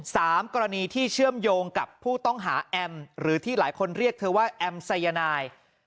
สามกรณีที่เชื่อมโยงกับผู้ต้องหาแอมหรือที่หลายคนเรียกเธอว่าแอมสายนาย